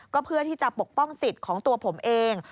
ก็เพื่อที่จะปกป้องสิทธิ์ของตัวผมเอง